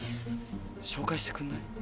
紹介してくんない？